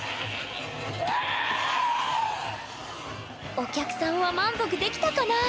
お客さんは満足できたかなあ？